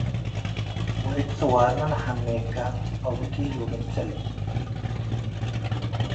ወእት ጸዋርነ ነሐሜከ - አቡ-ጢዝ ወግንጽል።